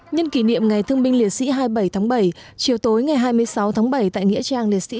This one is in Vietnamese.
nhân kỷ niệm ngày thương binh liệt sĩ hai mươi bảy tháng bảy chiều tối ngày hai mươi sáu tháng bảy tại nghĩa trang liệt sĩ